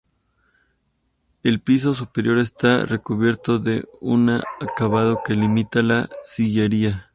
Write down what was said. El piso superior está recubierto de un acabado que imita la sillería.